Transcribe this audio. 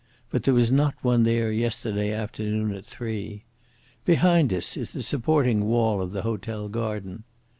But there was not one there yesterday afternoon at three. Behind us is the supporting wall of the hotel garden.